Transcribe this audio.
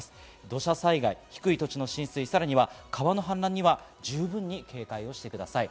土砂災害、低い土地の浸水、さらには川の氾濫には十分に警戒をしてください。